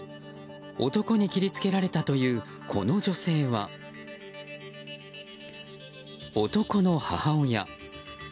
男に切り付けられたというこの女性は男の母親。